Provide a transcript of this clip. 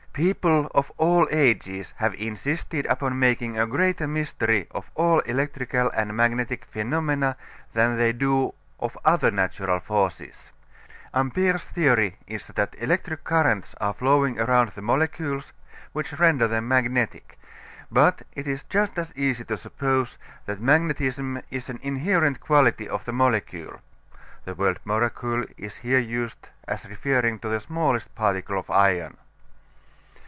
People of all ages have insisted upon making a greater mystery of all electrical and magnetic phenomena than they do of other natural forces. Ampère's theory is that electric currents are flowing around the molecules which render them magnetic; but it is just as easy to suppose that magnetism is an inherent quality of the molecule. (The word molecule is here used as referring to the smallest particle of iron.)